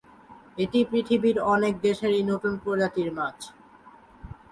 এটি পৃথিবীর অনেক দেশেই নতুন প্রজাতির মাছ।